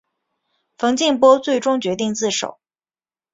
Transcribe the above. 冯静波最终决定自首。